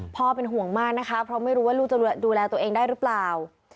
เป็นห่วงมากนะคะเพราะไม่รู้ว่าลูกจะดูแลตัวเองได้หรือเปล่า